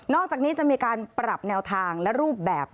อกจากนี้จะมีการปรับแนวทางและรูปแบบ